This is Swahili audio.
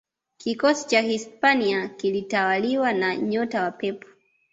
kikosi cha Hispania kilitawaliwa na nyota wa Pep